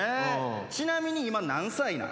ちなみに今何歳なん？